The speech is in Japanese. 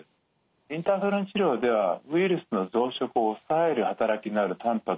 インターフェロン治療ではウイルスの増殖を抑える働きのあるたんぱく